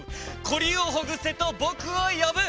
コリをほぐせとぼくをよぶ！